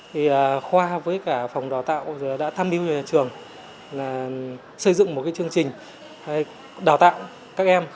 thì khoa với cả phòng đào tạo đã tham mưu cho nhà trường là xây dựng một cái chương trình đào tạo các em